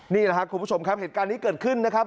นี่แหละครับคุณผู้ชมครับเหตุการณ์นี้เกิดขึ้นนะครับ